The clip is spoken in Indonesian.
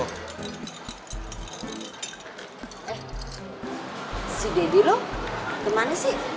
eh si deddy lo kemana sih